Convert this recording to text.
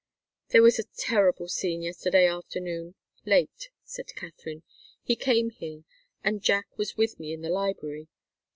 "There was a terrible scene yesterday afternoon late," said Katharine. "He came here, and Jack was with me in the library."